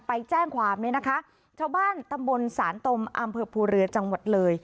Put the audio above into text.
ไปแจ้งความนี้นะคะเช้าบ้านจังหวัดเลย